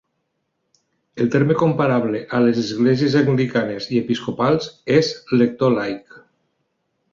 El terme comparable a les esglésies anglicanes i episcopals és "lector laic".